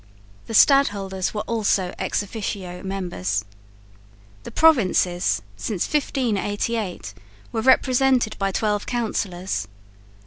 The Stadholders were also ex officio members. The Provinces, since 1588, were represented by twelve councillors.